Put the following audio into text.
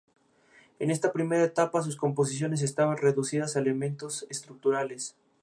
En esta primera etapa sus composiciones estaban reducidas a los elementos estructurales.